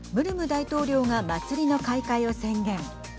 大統領が祭りの開会を宣言。